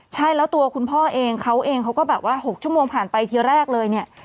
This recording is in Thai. ใช่แล้วตัวคุณพ่อเองเขาเองเขาก็แบบว่า๖ชั่วโมงผ่านไปทีแรกเลยเนี่ย